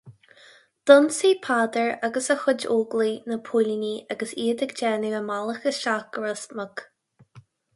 D'ionsaigh Peadar agus a chuid Óglaigh na póilíní agus iad ag déanamh a mbealach isteach go Ros Muc.